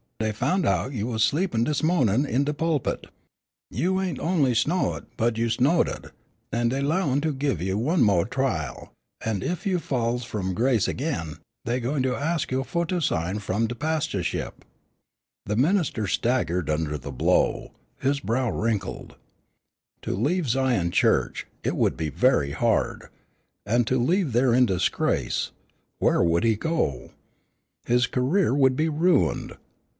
Dey foun' out you was sleepin' dis mornin' in de pulpit. You ain't only sno'ed, but you sno'ted, an' dey 'lowin' to give you one mo' trial, an' ef you falls f'om grace agin, dey gwine ax you fu' to 'sign f'om de pastorship." The minister staggered under the blow, and his brow wrinkled. To leave Zion Church. It would be very hard. And to leave there in disgrace; where would he go? His career would be ruined.